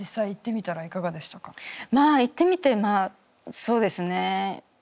まあ行ってみてそうですね。